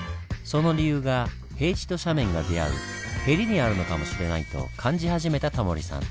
その理由が平地と斜面が出会う「へり」にあるのかもしれないと感じ始めたタモリさん。